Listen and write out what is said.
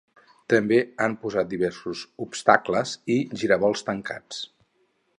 També han posat diversos obstacles, i giravolts tancats.